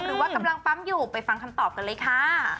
หรือว่ากำลังปั๊มอยู่ไปฟังคำตอบกันเลยค่ะ